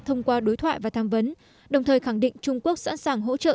thông qua đối thoại và tham vấn đồng thời khẳng định trung quốc sẵn sàng hỗ trợ